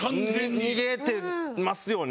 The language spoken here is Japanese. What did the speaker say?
逃げてますよね。